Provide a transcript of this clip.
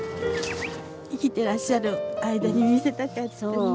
生きてらっしゃる間に見せたかったね。